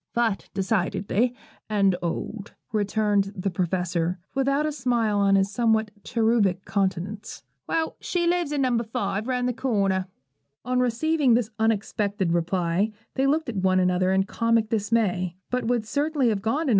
'Fat, decidedly, and old,' returned the Professor, without a smile on his somewhat cherubic countenance. 'Well, she lives No. 5, round the corner.' On receiving this unexpected reply, they looked at one another in comic dismay; but would certainly have gone to No.